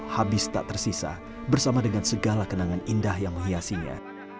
habis tak tersisa bersama dengan segala kenangan indah yang menghiasinya